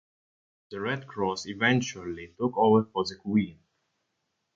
The Red Cross eventually took over for the Queen.